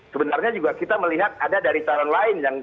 sebenarnya juga kita melihat ada dari calon lain